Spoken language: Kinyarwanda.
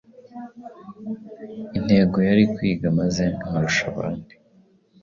Intego yari kwiga maze nkarusha abandi